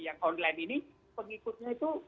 yang online ini pengikutnya itu